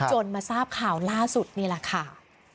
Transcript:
มาทราบข่าวล่าสุดนี่แหละค่ะ